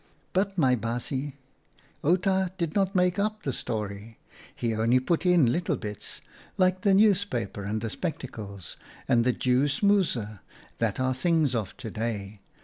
" But, my baasje, Outa did not make up the story. He only put in little bits, like the newspaper and the spectacles and the Jew smouse, that are things of to day.